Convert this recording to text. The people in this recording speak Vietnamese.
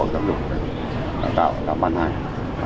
đã tạo đoàn bản hành